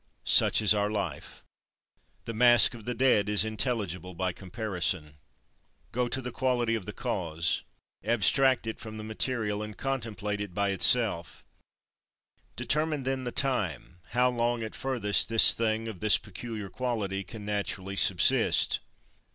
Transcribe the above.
Such is our life. The 'Masque of the Dead' is intelligible by comparison. 25. Go to the quality of the cause; abstract it from the material, and contemplate it by itself. Determine then the time: how long, at furthest, this thing, of this peculiar quality, can naturally subsist.